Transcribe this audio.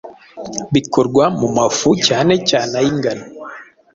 bikorwa mu mafu cyane cyane ay’ingano.